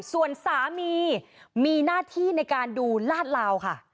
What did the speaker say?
ส่วนสามีมีหน้าที่ในการดูลาดลาวค่ะ